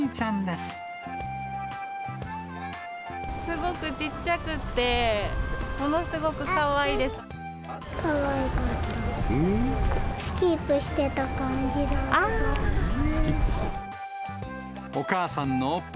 すごくちっちゃくて、ものすかわいかった。